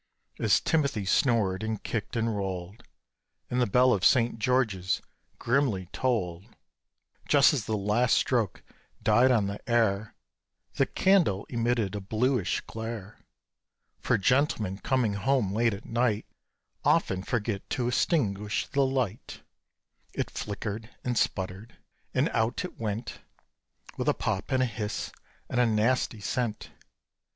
As Timothy snored, and kicked, and rolled, And the bell of St. George's grimly tolled, Just as the last stroke died on the air The candle emitted a bluish glare, (For gentlemen coming home late at night Often forget to extinguish the light;) It flickered, and spluttered, and out it went With a pop, and a hiss, and a nasty scent.